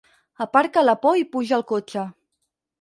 Aparca la por i puja al cotxe.